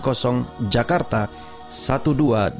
atau anda juga dapat menghubungi kami